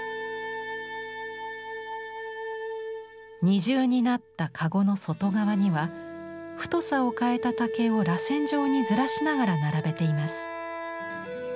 二重になった籠の外側には太さを変えた竹をらせん状にずらしながら並べています。